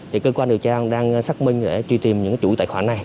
thì cơ quan điều tra đang xác minh để truy tìm những chủ tài khoản này